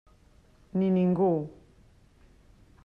Ni ningú.